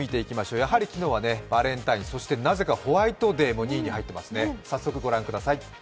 やはり昨日はバレンタイン、そしてなぜかホワイトデーも２位に入ってますね。